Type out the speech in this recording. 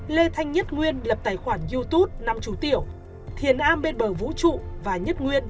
lê thanh nhất nguyên lập tài khoản youtube năm chú tiểu thiền a bên bờ vũ trụ và nhất nguyên